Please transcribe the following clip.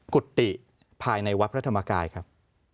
กุฏติภายในวัพย์รัฐมกายครับ